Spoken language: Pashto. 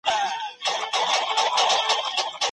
په واده کي ځانونه پوروړي کول ولي ناسم کار دی؟